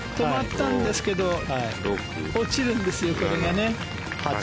止まったんですけど落ちるんですよ、これが。